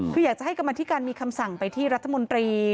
คืออยากจะให้กรรมธิการมีคำสั่งไปที่รัฐมนตรี